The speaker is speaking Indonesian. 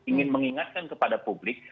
ingin mengingatkan kepada publik